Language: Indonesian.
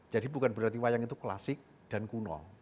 jadi bukan berarti wayang itu klasik dan kuno